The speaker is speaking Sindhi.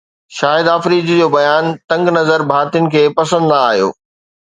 شاهد آفريدي جو بيان تنگ نظر ڀارتين کي پسند نه آيو